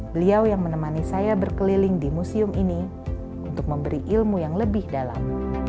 beliau yang menemani saya berkeliling di museum ini untuk memberi ilmu yang lebih dalam